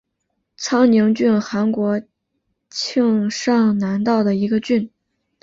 昌宁郡韩国庆尚南道的一个郡。